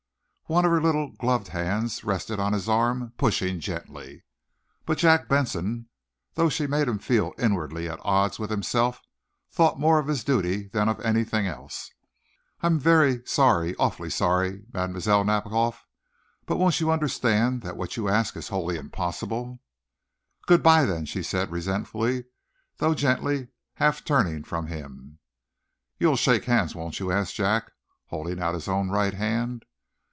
One of her little, gloved hands rested on his arm, pushing gently. But Jack Benson, though she made him feel inwardly at odds with himself, thought more of his duty than of anything else. "I am very sorry awfully sorry, Mlle. Nadiboff. But won't you understand that what you ask is wholly impossible?" "Good bye, then!" she said, resentfully, though gently, half turning from him. "You'll shake hands, won't you?" asked Jack, holding out his own right hand.